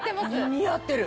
似合ってる！